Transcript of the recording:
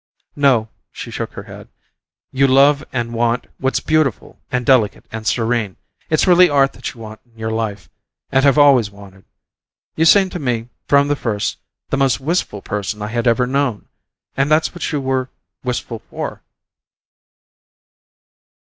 "No." She shook her head. "You love and want what's beautiful and delicate and serene; it's really art that you want in your life, and have always wanted. You seemed to me, from the first, the most wistful person I had ever known, and that's what you were wistful for."